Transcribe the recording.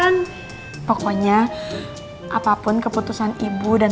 nggak bu beneran